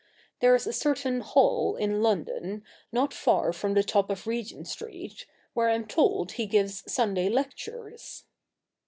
There's a certain hall in London, not far from the top of Regent Street, where I'm told he gives Sunday lectures.'